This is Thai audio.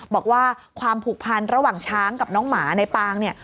บอกว่าความผูกพันระหว่างช้างกับน้องหมาในปางเนี่ย